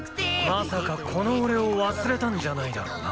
まさかこの俺を忘れたんじゃないだろうな。